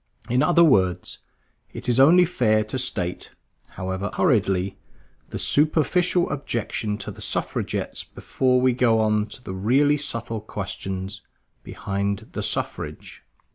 In other words, it is only fair to state, however hurriedly, the superficial objection to the Suffragettes before we go on to the really subtle questions behind the Suffrage.